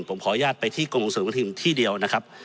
ผมขออนุญาตไปที่กรมส่งเสริมประกอบทิศที่เดียวนะครับ